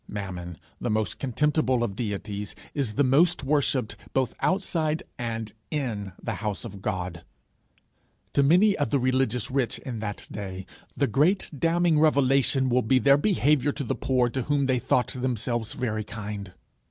Mammon, the most contemptible of deities, is the most worshipped, both outside and in the house of God: to many of the religious rich in that day, the great damning revelation will be their behaviour to the poor to whom they thought themselves very kind.